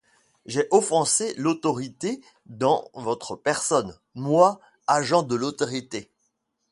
J'ai offensé l'autorité dans votre personne, moi, agent de l'autorité!